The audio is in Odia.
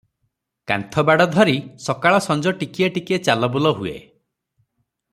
କାନ୍ଥବାଡ଼ ଧରି ସକାଳ ସଞ୍ଜ ଟିକିଏ ଟିକିଏ ଚାଲବୁଲ ହୁଏ ।